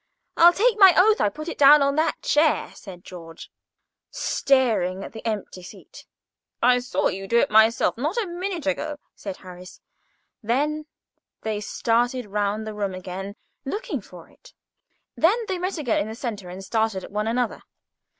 "I'll take my oath I put it down on that chair," said George, staring at the empty seat. "I saw you do it myself, not a minute ago," said Harris. Then they started round the room again looking for it; and then they met again in the centre, and stared at one another.